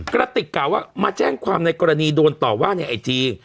กระติกกล่าวว่ามาแจ้งความในกรณีโดนต่อว่าในไอจี